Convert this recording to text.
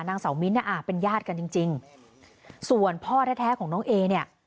นางเสามิ้นเนี่ยอ่าเป็นญาติกันจริงส่วนพ่อแท้ของน้องเอเนี่ย